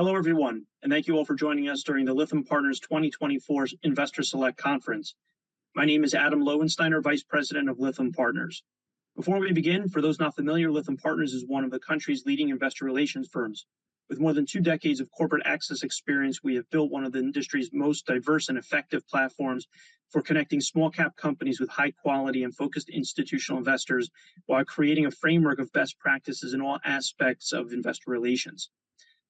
Hello, everyone, and thank you all for joining us during the Lytham Partners 2024 Investor Select Conference. My name is Adam Lowensteiner, our Vice President of Lytham Partners. Before we begin, for those not familiar, Lytham Partners is one of the country's leading investor relations firms. With more than two decades of corporate access experience, we have built one of the industry's most diverse and effective platforms for connecting small cap companies with high quality and focused institutional investors, while creating a framework of best practices in all aspects of investor relations.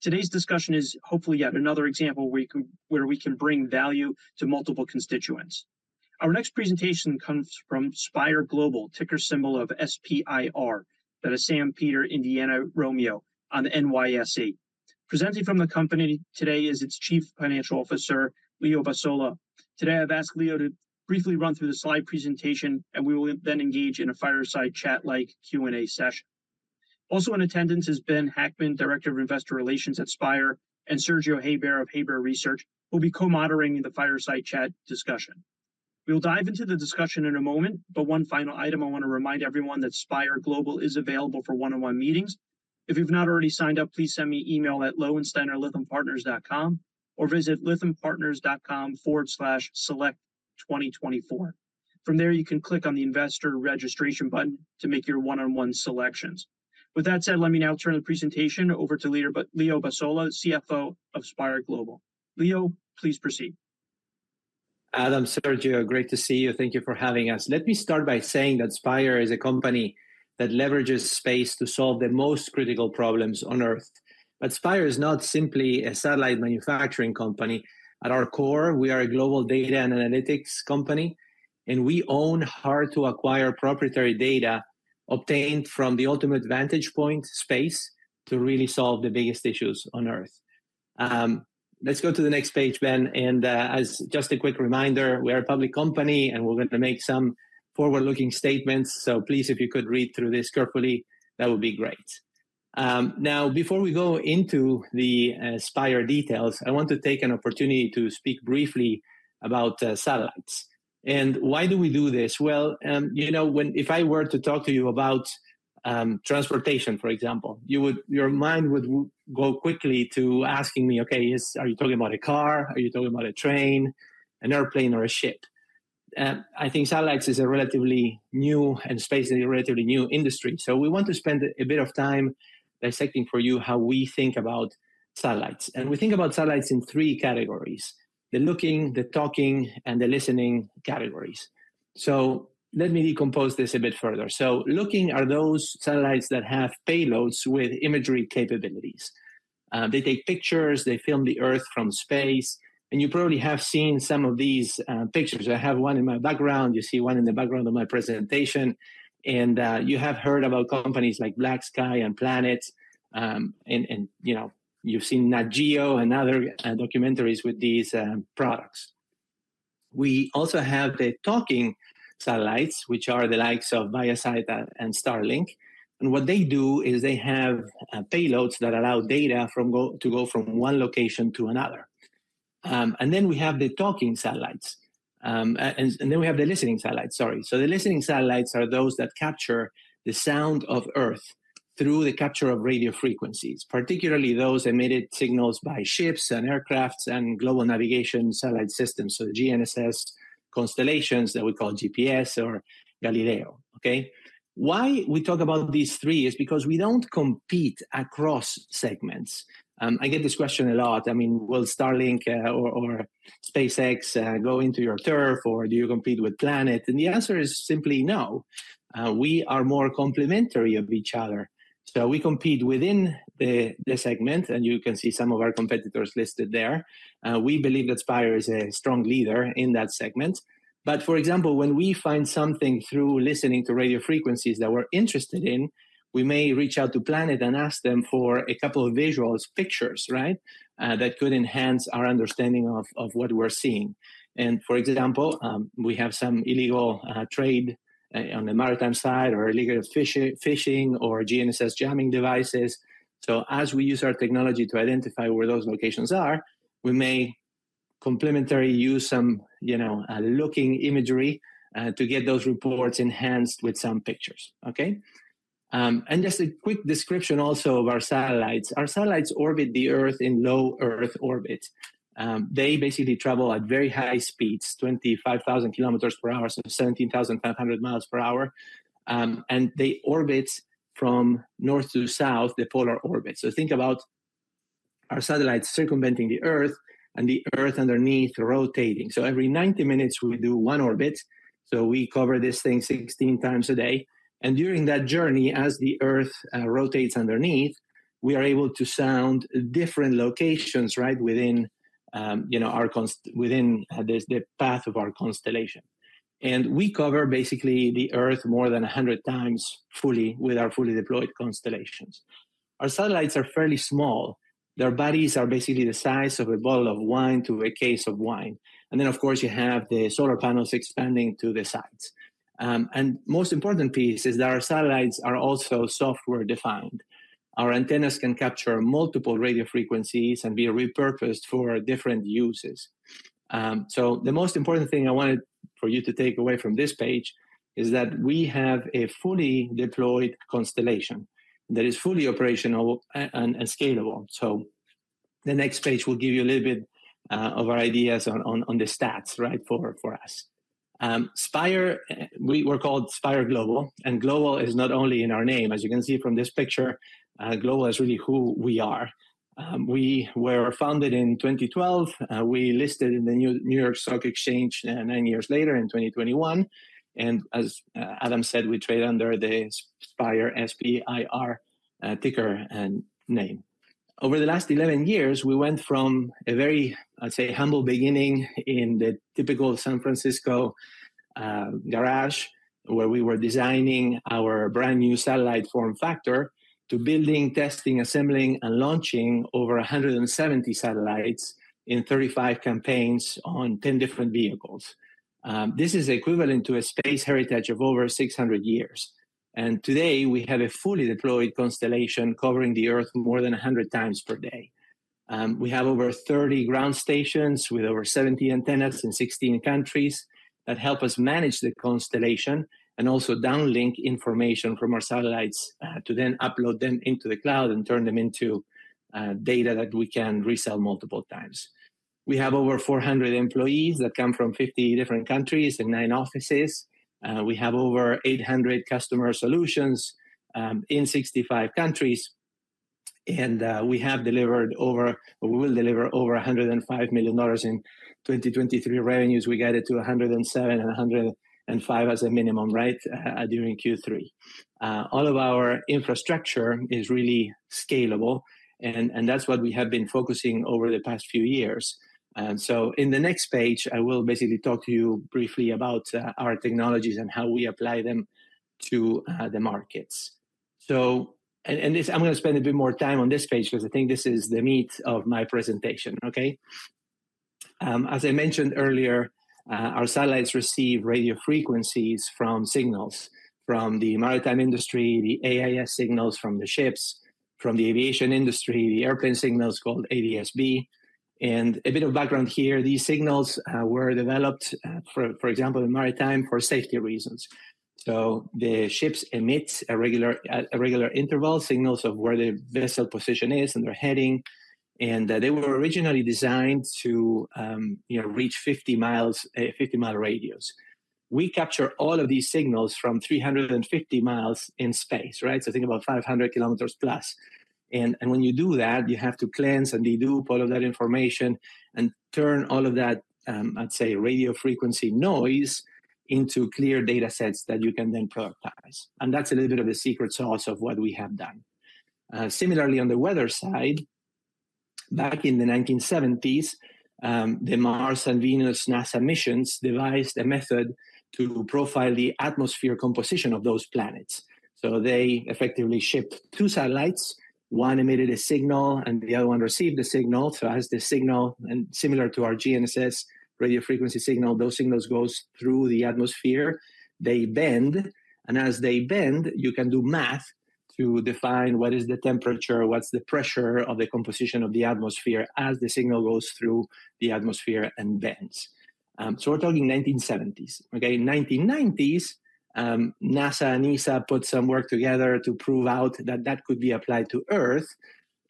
Today's discussion is hopefully yet another example where we can bring value to multiple constituents. Our next presentation comes from Spire Global, ticker symbol SPIR, that is Sam, Peter, Indiana, Romeo on the NYSE. Presenting from the company today is its Chief Financial Officer, Leo Basola. Today, I've asked Leo to briefly run through the slide presentation, and we will then engage in a fireside chat-like Q&A session. Also in attendance is Ben Hackman, Director of Investor Relations at Spire, and Sergio Heiber of Heiber Research, who'll be co-moderating the fireside chat discussion. We'll dive into the discussion in a moment, but one final item I want to remind everyone that Spire Global is available for one-on-one meetings. If you've not already signed up, please send me an email at lowensteiner@lythampartners.com, or visit lythampartners.com/select2024. From there, you can click on the Investor Registration button to make your one-on-one selections. With that said, let me now turn the presentation over to Leo Basola, CFO of Spire Global. Leo, please proceed. Adam, Sergio, great to see you. Thank you for having us. Let me start by saying that Spire is a company that leverages space to solve the most critical problems on Earth. But Spire is not simply a satellite manufacturing company. At our core, we are a global data and analytics company, and we own hard-to-acquire proprietary data obtained from the ultimate vantage point, space, to really solve the biggest issues on Earth. Let's go to the next page, Ben. And, as just a quick reminder, we are a public company, and we're going to make some forward-looking statements. So please, if you could read through this carefully, that would be great. Now, before we go into the Spire details, I want to take an opportunity to speak briefly about satellites. And why do we do this? Well, you know, when if I were to talk to you about transportation, for example, you would your mind would go quickly to asking me: "Okay, are you talking about a car? Are you talking about a train, an airplane, or a ship?" I think satellites is a relatively new, and space is a relatively new industry, so we want to spend a bit of time dissecting for you how we think about satellites. We think about satellites in three categories: the looking, the talking, and the listening categories. Let me decompose this a bit further. Looking are those satellites that have payloads with imagery capabilities. They take pictures, they film the Earth from space, and you probably have seen some of these pictures. I have one in my background, you see one in the background of my presentation, and you have heard about companies like BlackSky and Planet. And you know, you've seen Nat Geo and other documentaries with these products. We also have the talking satellites, which are the likes of Viasat and Starlink, and what they do is they have payloads that allow data to go from one location to another. And then we have the talking satellites. And then we have the listening satellites, sorry. So the listening satellites are those that capture the sound of Earth through the capture of radio frequencies, particularly those emitted signals by ships and aircraft and global navigation satellite systems, so GNSS constellations that we call GPS or Galileo, okay? Why we talk about these three is because we don't compete across segments. I get this question a lot. I mean, will Starlink or SpaceX go into your turf, or do you compete with Planet? And the answer is simply no. We are more complementary of each other, so we compete within the segment, and you can see some of our competitors listed there. We believe that Spire is a strong leader in that segment. But for example, when we find something through listening to radio frequencies that we're interested in, we may reach out to Planet and ask them for a couple of visuals, pictures, right, that could enhance our understanding of what we're seeing. And for example, we have some illegal trade on the maritime side, or illegal fishing, or GNSS jamming devices. So as we use our technology to identify where those locations are, we may complementary use some, you know, looking imagery to get those reports enhanced with some pictures. Okay? And just a quick description also of our satellites. Our satellites orbit the Earth in Low Earth Orbit. They basically travel at very high speeds, 25,000 km/h, so 17,500 mi/h And they orbit from north to south, the polar orbit. So think about our satellites circumventing the Earth and the Earth underneath rotating. So every 90 minutes we do one orbit, so we cover this thing 16x a day. And during that journey, as the Earth rotates underneath, we are able to sound different locations, right, within, you know, the path of our constellation. We cover basically the Earth more than 100x, fully, with our fully deployed constellations. Our satellites are fairly small. Their bodies are basically the size of a bottle of wine to a case of wine. And then, of course, you have the solar panels expanding to the sides. And most important piece is that our satellites are also software-defined. Our antennas can capture multiple radio frequencies and be repurposed for different uses. So the most important thing I wanted for you to take away from this page is that we have a fully deployed constellation that is fully operational and scalable. So the next page will give you a little bit of our ideas on the stats, right, for us. Spire, we're called Spire Global, and global is not only in our name. As you can see from this picture, global is really who we are. We were founded in 2012, we listed in the New York Stock Exchange, 9 years later in 2021, and as Adam said, we trade under the Spire, SPIR, ticker and name. Over the last 11 years, we went from a very, I'd say, humble beginning in the typical San Francisco garage, where we were designing our brand-new satellite form factor, to building, testing, assembling, and launching over 170 satellites in 35 campaigns on 10 different vehicles. This is equivalent to a space heritage of over 600 years, and today we have a fully deployed constellation covering the Earth more than 100 times per day. We have over 30 ground stations with over 70 antennas in 16 countries that help us manage the constellation and also downlink information from our satellites, to then upload them into the cloud and turn them into data that we can resell multiple times. We have over 400 employees that come from 50 different countries and nine offices. We have over 800 customer solutions in 65 countries, and we will deliver over $105 million in 2023 revenues. We guided to 107 and 105 as a minimum, right, during Q3. All of our infrastructure is really scalable, and that's what we have been focusing over the past few years. In the next page, I will basically talk to you briefly about our technologies and how we apply them to the markets. And this, I'm going to spend a bit more time on this page because I think this is the meat of my presentation, okay? As I mentioned earlier, our satellites receive radio frequencies from signals from the maritime industry, the AIS signals from the ships, from the aviation industry, the airplane signals called ADS-B. And a bit of background here, these signals were developed for example, the maritime, for safety reasons. So the ships emit a regular, at a regular interval, signals of where the vessel position is and their heading, and they were originally designed to, you know, reach 50 mi, a 50-mile radius. We capture all of these signals from 350 mi in space, right? So think about 500+ km. And, and when you do that, you have to cleanse and dedupe all of that information and turn all of that, let's say, radio frequency noise into clear data sets that you can then productize. And that's a little bit of the secret sauce of what we have done. Similarly, on the weather side, back in the 1970s, the Mars and Venus NASA missions devised a method to profile the atmosphere composition of those planets. So they effectively shipped two satellites, one emitted a signal, and the other one received the signal. So as the signal, and similar to our GNSS radio frequency signal, those signals goes through the atmosphere, they bend, and as they bend, you can do math to define what is the temperature, what's the pressure of the composition of the atmosphere as the signal goes through the atmosphere and bends. So we're talking 1970s. Okay, in 1990s, NASA and ESA put some work together to prove out that that could be applied to Earth,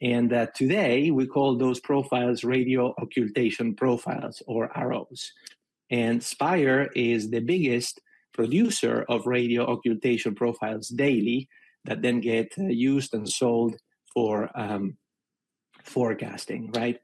and that today we call those profiles radio occultation profiles or ROs. And Spire is the biggest producer of radio occultation profiles daily that then get used and sold for, forecasting, right?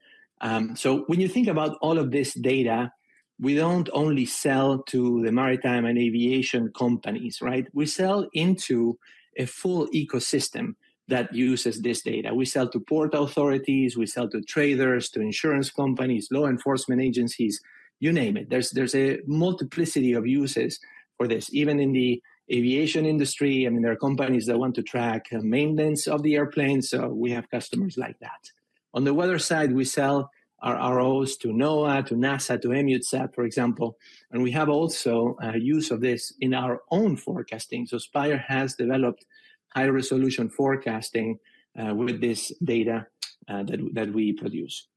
So when you think about all of this data, we don't only sell to the maritime and aviation companies, right? We sell into a full ecosystem that uses this data. We sell to port authorities, we sell to traders, to insurance companies, law enforcement agencies, you name it. There's a multiplicity of uses for this, even in the aviation industry, I mean, there are companies that want to track maintenance of the airplane, so we have customers like that. On the weather side, we sell our ROs to NOAA, to NASA, to EUMETSAT, for example, and we have also use of this in our own forecasting. So Spire has developed high-resolution forecasting with this data that we produce.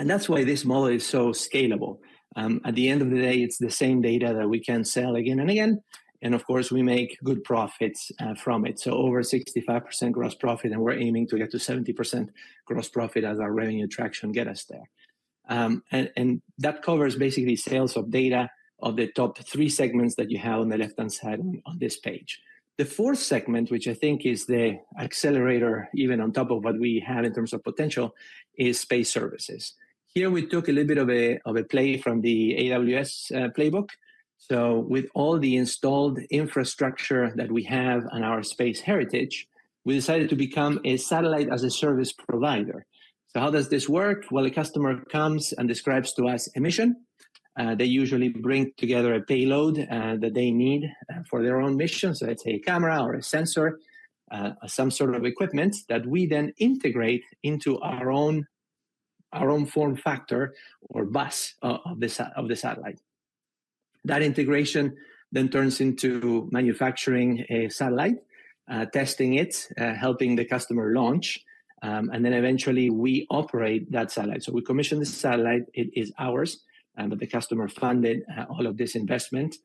And that's why this model is so scalable. At the end of the day, it's the same data that we can sell again and again, and of course, we make good profits from it. So over 65% gross profit, and we're aiming to get to 70% gross profit as our revenue traction get us there. And that covers basically sales of data of the top three segments that you have on the left-hand side on this page. The fourth segment, which I think is the accelerator, even on top of what we have in terms of potential, is space services. Here we took a little bit of a, of a play from the AWS playbook. So with all the installed infrastructure that we have and our space heritage, we decided to become a satellite-as-a-service provider. So how does this work? Well, a customer comes and describes to us a mission. They usually bring together a payload that they need for their own mission. So let's say a camera or a sensor, some sort of equipment that we then integrate into our own form factor or bus of the satellite. That integration then turns into manufacturing a satellite, testing it, helping the customer launch, and then eventually we operate that satellite. So we commission the satellite, it is ours, but the customer funded all of this investment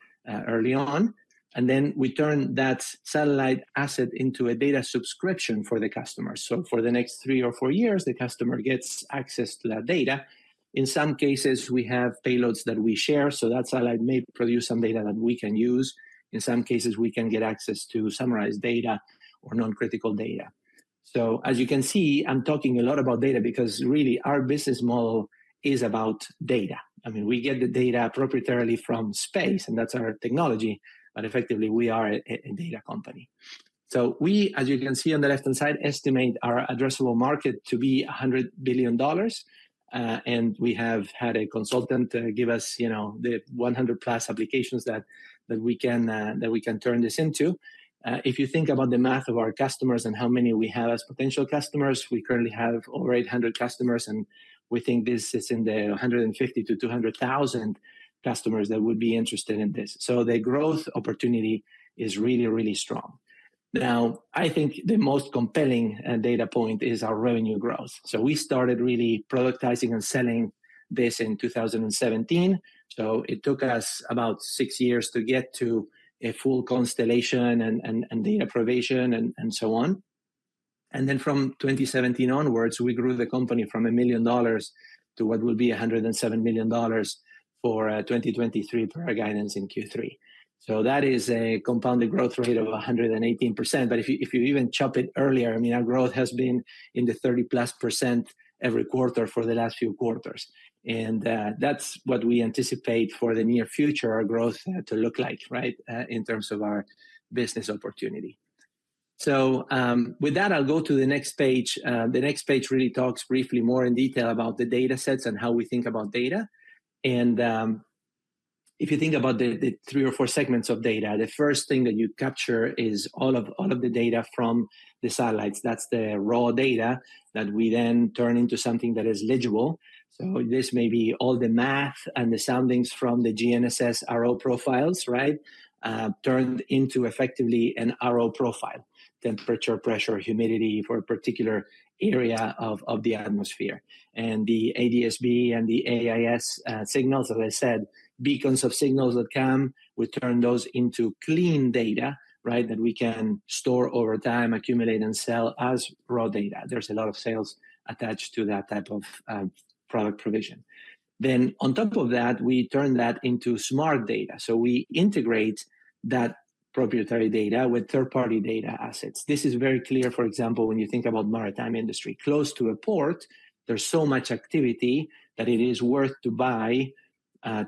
early on, and then we turn that satellite asset into a data subscription for the customer. So for the next three or four years, the customer gets access to that data. In some cases, we have payloads that we share, so that satellite may produce some data that we can use. In some cases, we can get access to summarized data or non-critical data. So as you can see, I'm talking a lot about data because really our business model is about data. I mean, we get the data proprietarily from space, and that's our technology, but effectively we are a data company. So we, as you can see on the left-hand side, estimate our addressable market to be $100 billion, and we have had a consultant give us, you know, the 100+ applications that we can, that we can turn this into. If you think about the math of our customers and how many we have as potential customers, we currently have over 800 customers, and we think this is in the 150-200 thousand customers that would be interested in this. So the growth opportunity is really, really strong. Now, I think the most compelling data point is our revenue growth. So we started really productizing and selling this in 2017, so it took us about six years to get to a full constellation and data provision and so on. And then from 2017 onwards, we grew the company from $1 million to what will be $107 million for 2023 per our guidance in Q3. So that is a compounded growth rate of 118%. But if you even chop it earlier, I mean, our growth has been in the +30% every quarter for the last few quarters. And that's what we anticipate for the near future, our growth to look like, right, in terms of our business opportunity. So, with that, I'll go to the next page. The next page really talks briefly more in detail about the datasets and how we think about data. If you think about the three or four segments of data, the first thing that you capture is all of the data from the satellites. That's the raw data that we then turn into something that is legible. So this may be all the math and the soundings from the GNSS RO profiles, right? Turned into effectively an RO profile, temperature, pressure, humidity for a particular area of the atmosphere. And the ADS-B and the AIS signals, as I said, beacons of signals that come, we turn those into clean data, right? That we can store over time, accumulate, and sell as raw data. There's a lot of sales attached to that type of product provision. Then on top of that, we turn that into smart data. So we integrate that proprietary data with third-party data assets. This is very clear, for example, when you think about maritime industry. Close to a port, there's so much activity that it is worth to buy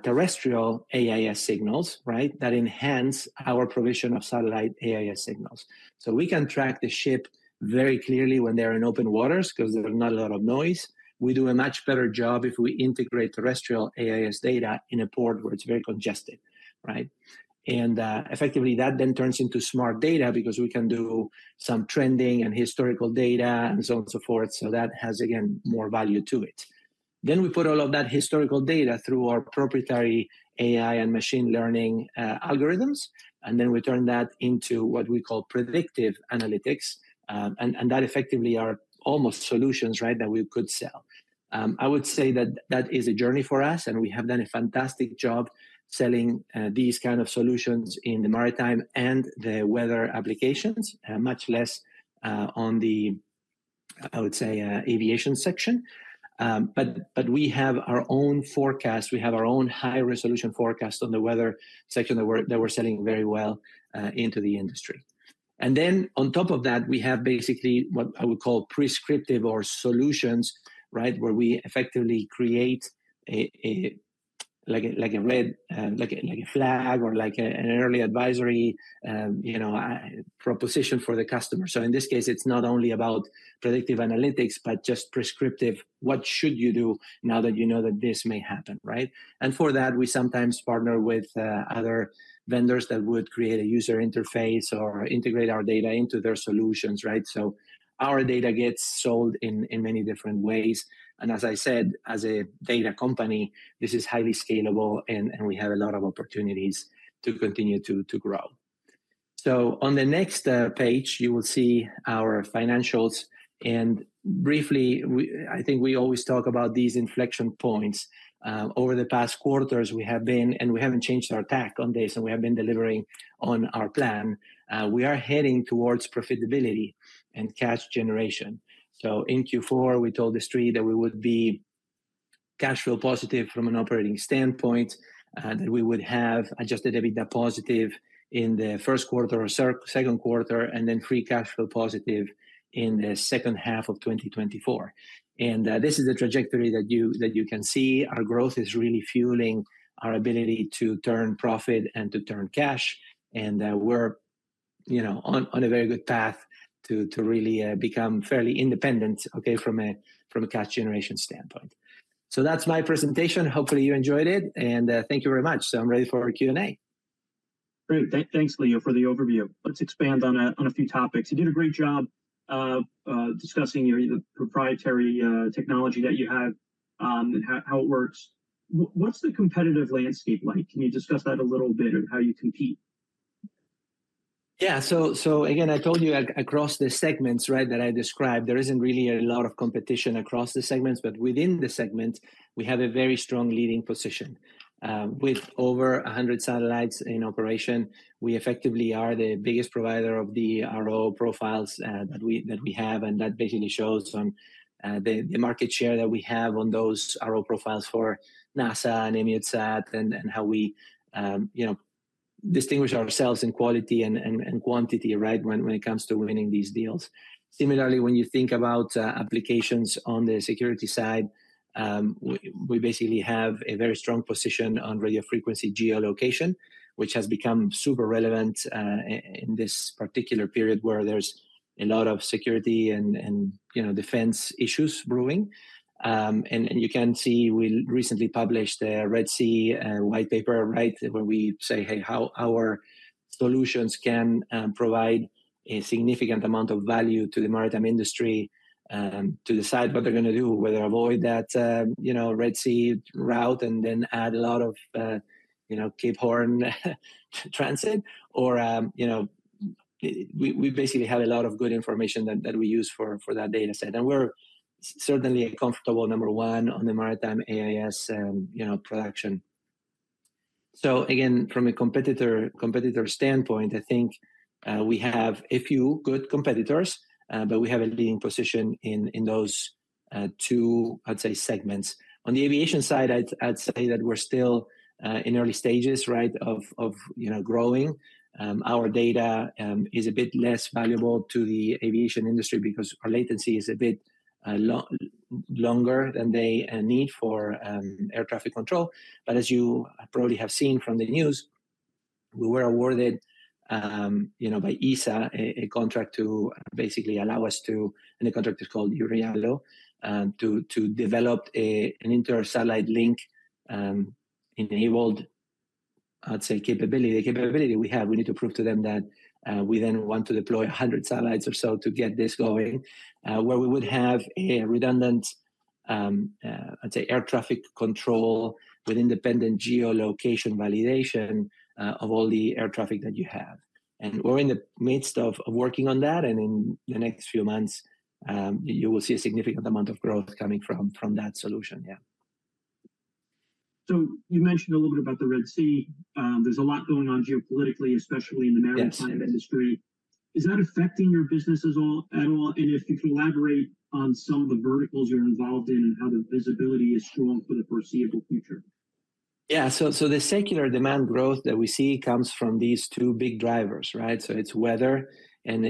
terrestrial AIS signals, right? That enhance our provision of satellite AIS signals. So we can track the ship very clearly when they're in open waters 'cause there is not a lot of noise. We do a much better job if we integrate terrestrial AIS data in a port where it's very congested, right? And, effectively, that then turns into smart data because we can do some trending and historical data and so on and so forth, so that has, again, more value to it. Then we put all of that historical data through our proprietary AI and machine learning algorithms, and then we turn that into what we call predictive analytics, and that effectively are almost solutions, right? That we could sell. I would say that that is a journey for us, and we have done a fantastic job selling these kind of solutions in the maritime and the weather applications, much less on the, I would say, aviation section. But we have our own forecast. We have our own high-resolution forecast on the weather section that we're, that we're selling very well into the industry. And then on top of that, we have basically what I would call prescriptive or solutions, right? Where we effectively create a like a red flag or like a an early advisory, you know, proposition for the customer. So in this case, it's not only about predictive analytics, but just prescriptive, what should you do now that you know that this may happen, right? And for that, we sometimes partner with other vendors that would create a user interface or integrate our data into their solutions, right? So our data gets sold in many different ways. And as I said, as a data company, this is highly scalable, and we have a lot of opportunities to continue to grow. So on the next page, you will see our financials, and briefly, we-- I think we always talk about these inflection points. Over the past quarters, we have been. We haven't changed our tack on this, and we have been delivering on our plan. We are heading towards profitability and cash generation. So in Q4, we told the street that we would be cash flow positive from an operating standpoint, that we would have Adjusted EBITDA positive in the first quarter or second quarter, and then Free Cash Flow positive in the second half of 2024. And this is the trajectory that you can see. Our growth is really fueling our ability to turn profit and to turn cash, and we're, you know, on a very good path to really become fairly independent, okay, from a cash generation standpoint. So that's my presentation. Hopefully, you enjoyed it, and thank you very much. So I'm ready for our Q&A. Great. Thanks, Leo, for the overview. Let's expand on a few topics. You did a great job of discussing your proprietary technology that you have and how it works. What's the competitive landscape like? Can you discuss that a little bit and how you compete? Yeah, so again, I told you across the segments, right, that I described, there isn't really a lot of competition across the segments, but within the segments, we have a very strong leading position. With over 100 satellites in operation, we effectively are the biggest provider of the RO profiles that we have, and that basically shows on the market share that we have on those RO profiles for NASA and EUMETSAT and how we, you know, distinguish ourselves in quality and quantity, right, when it comes to winning these deals. Similarly, when you think about applications on the security side, we basically have a very strong position on radio frequency geolocation, which has become super relevant in this particular period, where there's a lot of security and, you know, defense issues brewing. You can see we recently published a Red Sea white paper, right? Where we say, hey, how our solutions can provide a significant amount of value to the maritime industry, to decide what they're gonna do, whether avoid that, you know, Red Sea route and then add a lot of, you know, Cape Horn transit or. We basically have a lot of good information that we use for that data set, and we're certainly a comfortable number one on the maritime AIS, you know, production. So again, from a competitor standpoint, I think we have a few good competitors, but we have a leading position in those two, I'd say segments. On the aviation side, I'd say that we're still in early stages, right, of you know, growing. Our data is a bit less valuable to the aviation industry because our latency is a bit longer than they need for air traffic control. But as you probably have seen from the news, we were awarded, you know, by ESA, a contract to basically allow us to, and the contract is called EURIALO, to develop an inter-satellite link enabled, I'd say, capability. The capability we have, we need to prove to them that we then want to deploy 100 satellites or so to get this going, where we would have a redundant, I'd say air traffic control with independent geolocation validation of all the air traffic that you have. And we're in the midst of working on that, and in the next few months, you will see a significant amount of growth coming from, from that solution. Yeah. So you mentioned a little bit about the Red Sea. There's a lot going on geopolitically, especially in the maritime industry. Yes Is that affecting your business at all, at all? And if you can elaborate on some of the verticals you're involved in and how the visibility is strong for the foreseeable future. Yeah, so the secular demand growth that we see comes from these two big drivers, right? So it's weather, and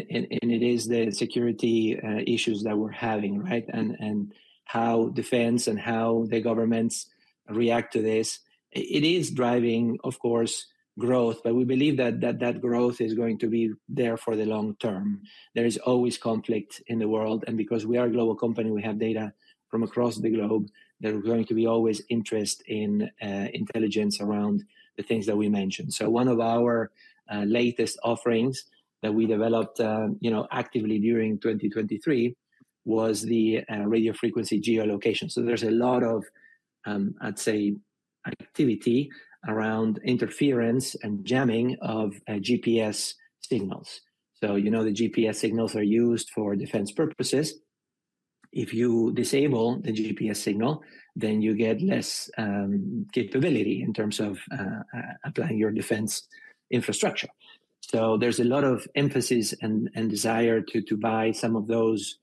it is the security issues that we're having, right? And how defense and how the governments react to this. It is driving, of course, growth, but we believe that growth is going to be there for the long term. There is always conflict in the world, and because we are a global company, we have data from across the globe, there are going to be always interest in intelligence around the things that we mentioned. So one of our latest offerings that we developed, you know, actively during 2023, was the Radio Frequency Geolocation. So there's a lot of, I'd say, activity around interference and jamming of GPS signals. So you know, the GPS signals are used for defense purposes. If you disable the GPS signal, then you get less capability in terms of applying your defense infrastructure. So there's a lot of emphasis and desire to buy some of those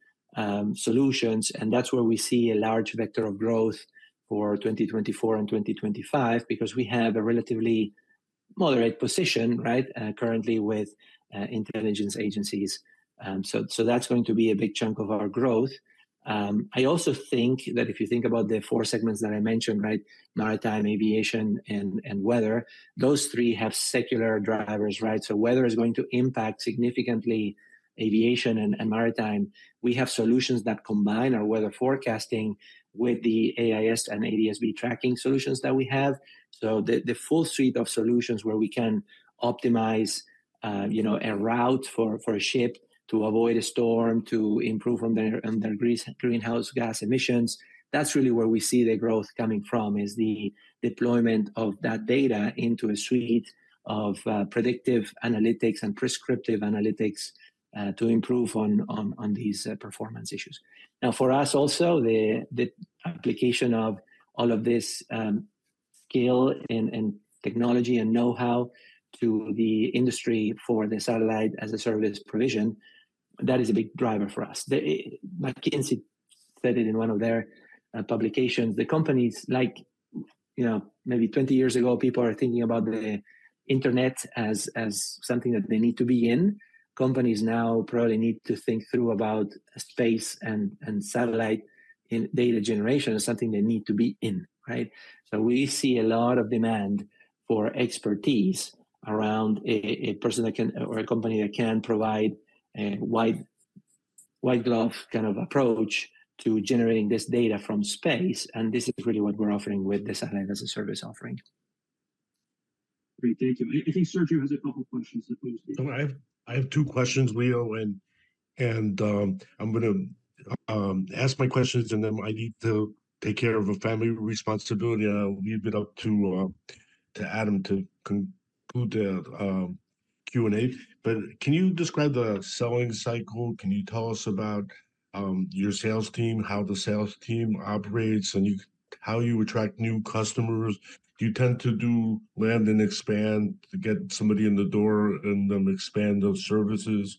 solutions, and that's where we see a large vector of growth for 2024 and 2025, because we have a relatively moderate position, right, currently with intelligence agencies. So that's going to be a big chunk of our growth. I also think that if you think about the four segments that I mentioned, right, maritime, aviation, and weather, those three have secular drivers, right? So weather is going to impact significantly aviation and maritime. We have solutions that combine our weather forecasting with the AIS and ADS-B tracking solutions that we have. So the full suite of solutions where we can optimize, you know, a route for a ship to avoid a storm, to improve on their greenhouse gas emissions, that's really where we see the growth coming from, is the deployment of that data into a suite of predictive analytics and prescriptive analytics to improve on these performance issues. Now, for us also, the application of all of this skill and technology and know-how to the industry for the satellite as a service provision, that is a big driver for us. McKinsey said it in one of their publications. The companies, like, you know, maybe 20 years ago, people are thinking about the internet as something that they need to be in. Companies now probably need to think through about space and satellite in data generation as something they need to be in, right? So we see a lot of demand for expertise around a person that can or a company that can provide a white glove kind of approach to generating this data from space, and this is really what we're offering with the satellite-as-a-service offering. Great, thank you. I think Sergio has a couple questions that we'll take. I have two questions, Leo, and I'm gonna ask my questions, and then I need to take care of a family responsibility, and I will leave it up to Adam to conclude the Q&A. But can you describe the selling cycle? Can you tell us about your sales team, how the sales team operates, and how you attract new customers? Do you tend to do land and expand to get somebody in the door and then expand those services?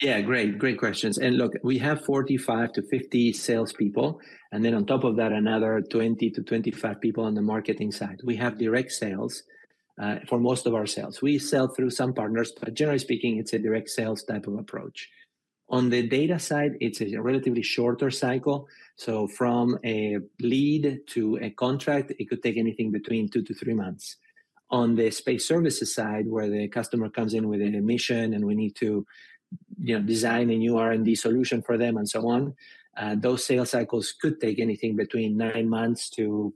Yeah, great, great questions. And look, we have 45-50 salespeople, and then on top of that, another 20-25 people on the marketing side. We have direct sales for most of our sales. We sell through some partners, but generally speaking, it's a direct sales type of approach. On the data side, it's a relatively shorter cycle, so from a lead to a contract, it could take anything between 2-3 months. On the space services side, where the customer comes in with a mission, and we need to, you know, design a new R&D solution for them and so on, those sales cycles could take anything between 9 to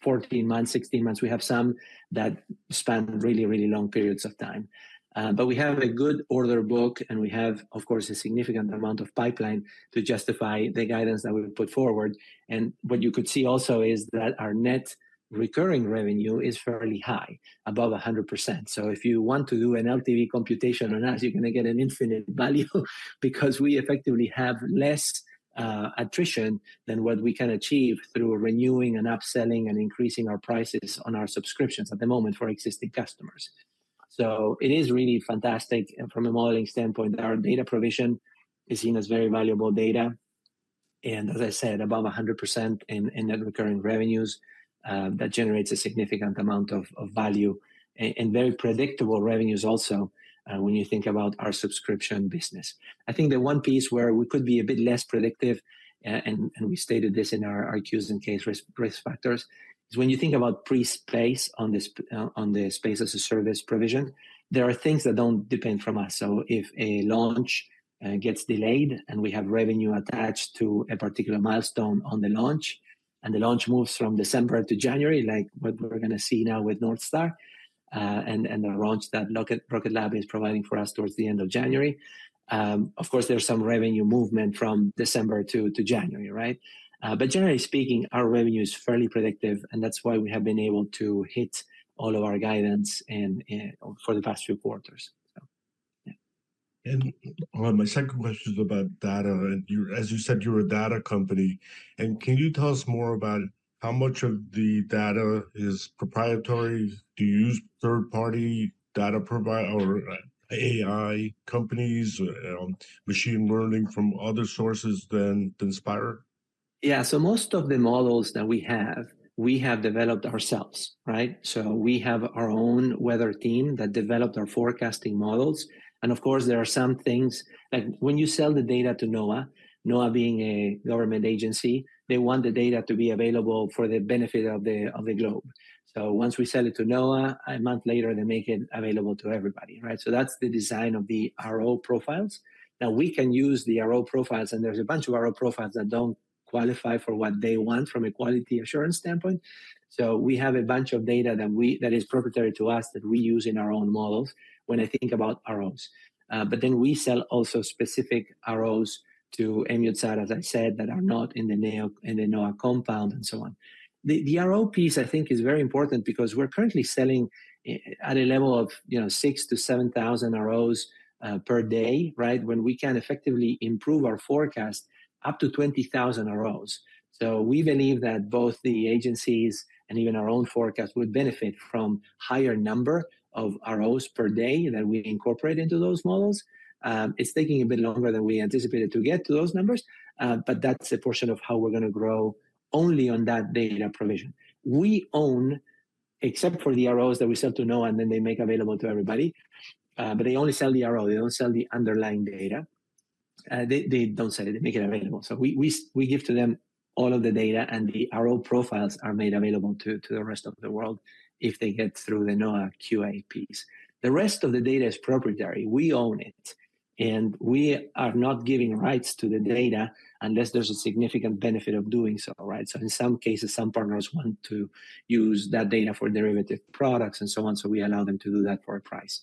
14 months, 16 months. We have some that span really, really long periods of time. But we have a good order book, and we have, of course, a significant amount of pipeline to justify the guidance that we've put forward. And what you could see also is that our net recurring revenue is fairly high, above 100%. So if you want to do an LTV computation on us, you're gonna get an infinite value because we effectively have less attrition than what we can achieve through renewing and upselling and increasing our prices on our subscriptions at the moment for existing customers. So it is really fantastic, and from a modeling standpoint, our data provision is seen as very valuable data, and as I said, above 100% in the recurring revenues that generates a significant amount of value and very predictable revenues also when you think about our subscription business. I think the one piece where we could be a bit less predictive, and we stated this in our 10-Qs and 10-K risk factors, is when you think about pre-Space on the Space as a Service provision, there are things that don't depend from us. So if a launch gets delayed and we have revenue attached to a particular milestone on the launch, and the launch moves from December to January, like what we're gonna see now with NorthStar, and the launch that Rocket Lab is providing for us towards the end of January, of course, there's some revenue movement from December to January, right? But generally speaking, our revenue is fairly predictive, and that's why we have been able to hit all of our guidance and for the past few quarters. So yeah. My second question is about data, and you, as you said, you're a data company. Can you tell us more about how much of the data is proprietary? Do you use third-party data provider or AI companies or machine learning from other sources than Spire? Yeah. So most of the models that we have, we have developed ourselves, right? So we have our own weather team that developed our forecasting models. And of course, there are some things. Like, when you sell the data to NOAA, NOAA being a government agency, they want the data to be available for the benefit of the globe. So once we sell it to NOAA, a month later, they make it available to everybody, right? So that's the design of the RO profiles. Now, we can use the RO profiles, and there's a bunch of RO profiles that don't qualify for what they want from a quality assurance standpoint. So we have a bunch of data that is proprietary to us, that we use in our own models when I think about ROs. But then we sell also specific ROs to EUMETSAT, as I said, that are not in the NOAA compound, and so on. The RO piece, I think, is very important because we're currently selling at a level of, you know, 6,000-7,000 ROs per day, right? When we can effectively improve our forecast up to 20,000 ROs. So we believe that both the agencies and even our own forecast would benefit from higher number of ROs per day that we incorporate into those models. It's taking a bit longer than we anticipated to get to those numbers, but that's a portion of how we're gonna grow only on that data provision. We own, except for the ROs that we sell to NOAA, and then they make available to everybody. But they only sell the RO. They don't sell the underlying data. They don't sell it. They make it available. So we give to them all of the data, and the RO profiles are made available to the rest of the world if they get through the NOAA QA piece. The rest of the data is proprietary. We own it, and we are not giving rights to the data unless there's a significant benefit of doing so, right? So in some cases, some partners want to use that data for derivative products and so on. So we allow them to do that for a price.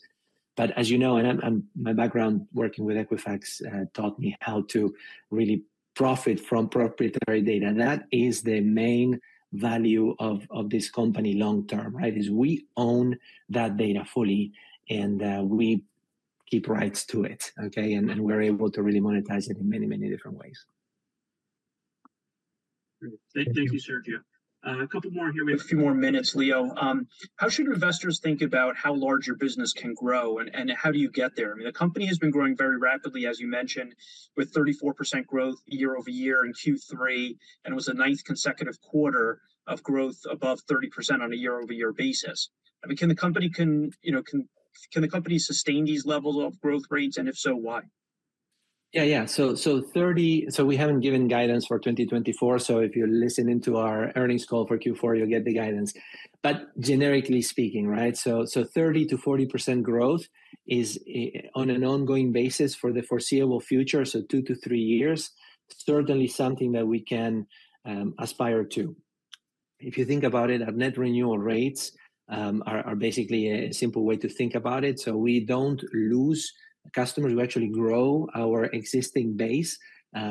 But as you know, and my background working with Equifax taught me how to really profit from proprietary data, and that is the main value of this company long term, right? Yes, we own that data fully, and we keep rights to it, okay? And we're able to really monetize it in many, many different ways. Great. Thank you, Sergio. A couple more here. We have a few more minutes, Leo. How should investors think about how large your business can grow, and how do you get there? I mean, the company has been growing very rapidly, as you mentioned, with 34% growth year-over-year in Q3, and it was the ninth consecutive quarter of growth above 30% on a year-over-year basis. I mean, can the company, you know, can the company sustain these levels of growth rates, and if so, why? Yeah, yeah. So we haven't given guidance for 2024, so if you're listening to our earnings call for Q4, you'll get the guidance. But generically speaking, right? So 30%-40% growth is on an ongoing basis for the foreseeable future, so 2-3 years, certainly something that we can aspire to. If you think about it, our net renewal rates are basically a simple way to think about it. So we don't lose customers. We actually grow our existing base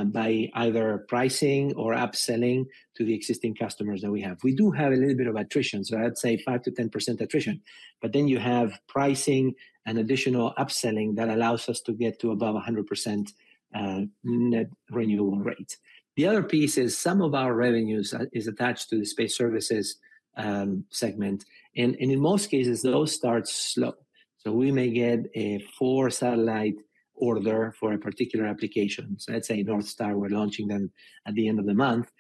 by either pricing or upselling to the existing customers that we have. We do have a little bit of attrition, so I'd say 5%-10% attrition. But then you have pricing and additional upselling that allows us to get to above 100%, net renewal rate. The other piece is some of our revenues are is attached to the space services segment, and and in most cases, those start slow. So we may get a four-satellite order for a particular application. So let's say NorthStar, we're launching them at the end of the month,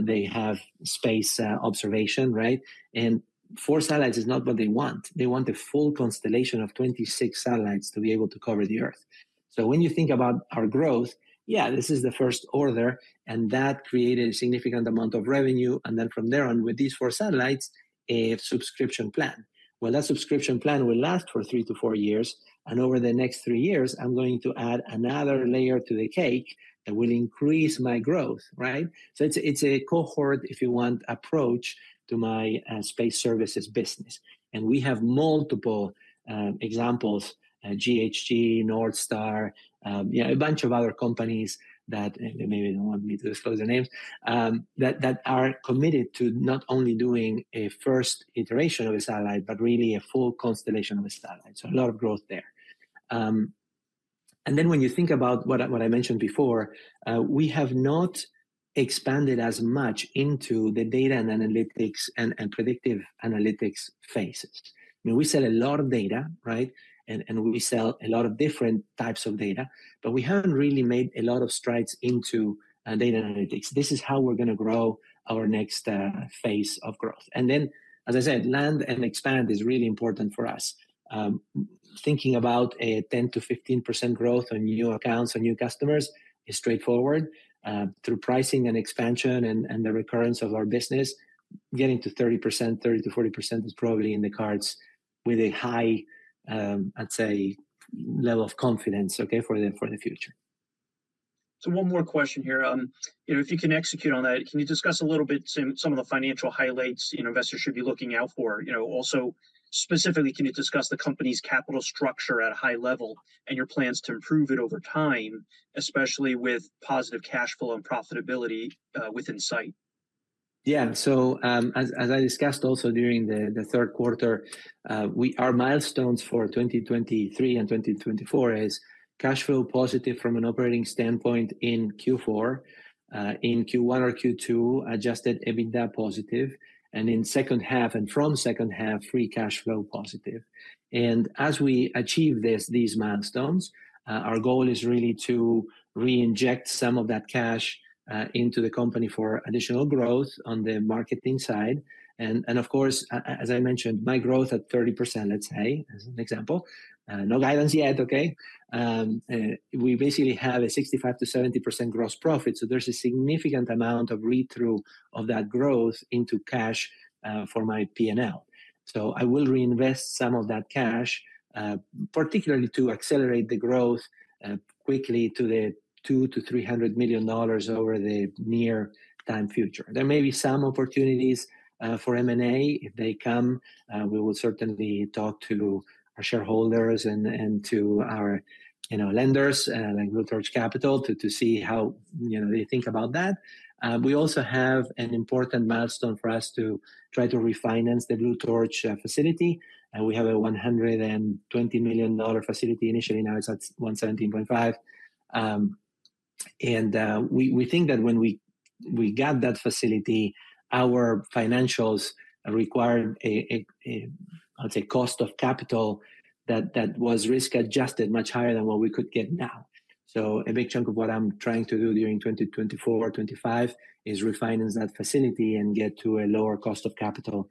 they have space observation, right? And four satellites is not what they want. They want a full constellation of 26 satellites to be able to cover the Earth. So when you think about our growth, yeah, this is the first order, and that created a significant amount of revenue, and then from there on, with these four satellites, a subscription plan. Well, that subscription plan will last for 3-4 years, and over the next three years, I'm going to add another layer to the cake that will increase my growth, right? So it's a cohort, if you want, approach to my space services business. And we have multiple examples, GHG, North Star, a bunch of other companies that maybe don't want me to disclose their names, that are committed to not only doing a first iteration of a satellite, but really a full constellation of a satellite. So a lot of growth there. And then when you think about what I mentioned before, we have not expanded as much into the data and analytics and predictive analytics phases. I mean, we sell a lot of data, right? And we sell a lot of different types of data, but we haven't really made a lot of strides into data analytics. This is how we're gonna grow our next phase of growth. And then, as I said, land and expand is really important for us. Thinking about a 10%-15% growth on new accounts or new customers is straightforward. Through pricing and expansion and the recurrence of our business, getting to 30%, 30%-40% is probably in the cards with a high, I'd say, level of confidence, okay, for the future. So one more question here. You know, if you can execute on that, can you discuss a little bit some of the financial highlights, you know, investors should be looking out for? You know, also, specifically, can you discuss the company's capital structure at a high level and your plans to improve it over time, especially with positive cash flow and profitability within sight? Yeah. So, as I discussed also during the third quarter, our milestones for 2023 and 2024 are cash flow positive from an operating standpoint in Q4, in Q1 or Q2, adjusted EBITDA positive, and in second half and from second half, free cash flow positive. And as we achieve these milestones, our goal is really to reinject some of that cash into the company for additional growth on the marketing side. And, of course, as I mentioned, our growth at 30%, let's say, as an example, no guidance yet, okay? We basically have a 65%-70% gross profit, so there's a significant amount of read-through of that growth into cash for our P&L. So I will reinvest some of that cash, particularly to accelerate the growth, quickly to the $200-$300 million over the near time future. There may be some opportunities for M&A. If they come, we will certainly talk to our shareholders and to our, you know, lenders, like Blue Torch Capital, to see how, you know, they think about that. We also have an important milestone for us to try to refinance the Blue Torch facility, and we have a $120 million facility initially. Now it's at $117.5 million. And we think that when we got that facility, our financials required a, let's say, cost of capital that was risk-adjusted much higher than what we could get now. So a big chunk of what I'm trying to do during 2024-2025 is refinance that facility and get to a lower cost of capital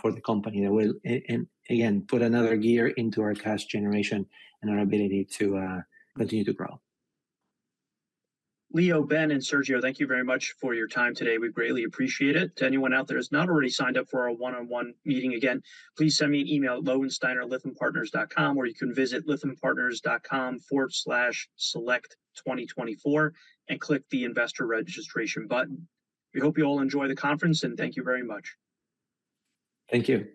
for the company. That will and again, put another gear into our cash generation and our ability to continue to grow. Leo, Ben, and Sergio, thank you very much for your time today. We greatly appreciate it. To anyone out there who's not already signed up for our one-on-one meeting, again, please send me an email at lowensteiner@lythampartners.com, or you can visit lythampartners.com/select2024 and click the Investor Registration button. We hope you all enjoy the conference, and thank you very much. Thank you.